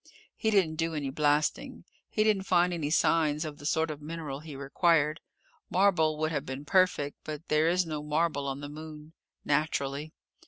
He didn't do any blasting. He didn't find any signs of the sort of mineral he required. Marble would have been perfect, but there is no marble on the Moon. Naturally!